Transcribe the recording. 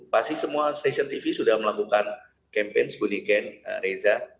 pasti semua stasiun tv sudah melakukan campaign seperti ibu niken reza